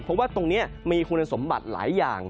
เพราะว่าตรงนี้มีคุณสมบัติหลายอย่าง